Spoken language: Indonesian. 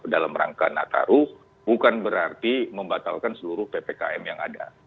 dalam rangka nataru bukan berarti membatalkan seluruh ppkm yang ada